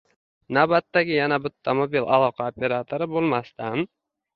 Navbatdagi yana bitta mobil aloqa operatori bo’lmasdan